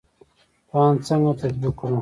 پلان څنګه تطبیق کړو؟